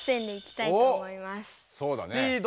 そうだね。